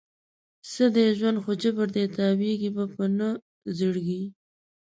څه دی ژوند؟ خو جبر دی، تاویږې به په نه زړګي